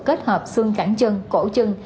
kết hợp xương cảng chân cổ chân